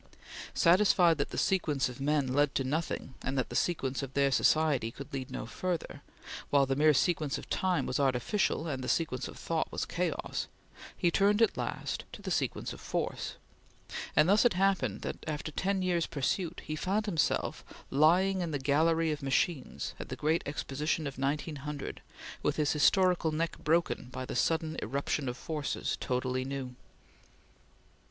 Satisfied that the sequence of men led to nothing and that the sequence of their society could lead no further, while the mere sequence of time was artificial, and the sequence of thought was chaos, he turned at last to the sequence of force; and thus it happened that, after ten years' pursuit, he found himself lying in the Gallery of Machines at the Great Exposition of 1900, his historical neck broken by the sudden irruption of forces totally new.